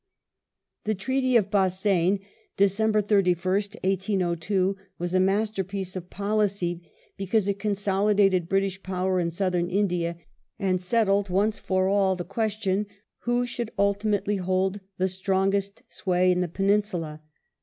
Ill THE TREATY OF BASSEIN 63 The treaty of Bassein (December 31st, 1802) was a masterpiece of policy, because it consolidated British power in Southern India, and settled, once for all, the question who should ultimately hold the strongest sway in the peninsula.